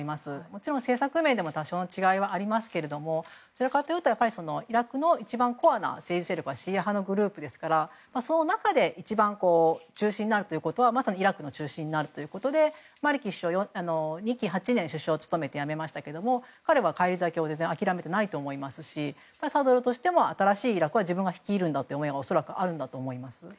もちろん政策面でも多少の違いはありますがどちらかというとイラクの一番コアな政治勢力はシーア派ですからその中で一番中心になるということはまさにイラクの中心になるということでマリキ首相は２期８年務めて辞めましたが彼は、返り咲きを全然、諦めていないと思いますしサドル師としても新しいイラクは自分が率いるという思いがあると思います。